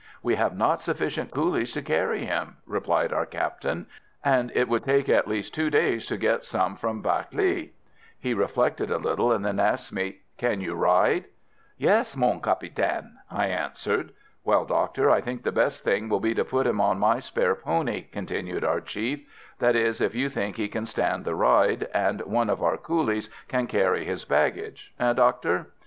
"We have not sufficient coolies to carry him," replied our Captain; "and it would take at least two days to get some from Bac Lé." He reflected a little, and then asked me: "Can you ride?" "Yes, mon capitaine," I answered. "Well, doctor, I think the best thing will be to put him on my spare pony," continued our chief; "that is, if you think he can stand the ride, and one of our coolies can carry his baggage. Eh, doctor?"